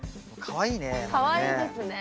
かわいいですね。